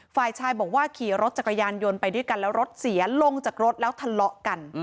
ฝ่ายชายบอกว่าขี่รถจักรยานยนต์ไปด้วยกันแล้วรถเสียลงจากรถแล้วทะเลาะกัน